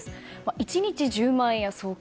１日１０万円＃即金、＃